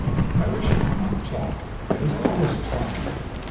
I wish it would not talk; it is always talking.